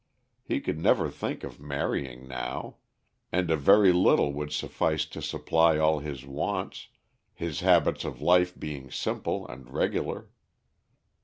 He could never think of marrying now, and a very little would suffice to supply all his wants, his habits of life being simple and regular.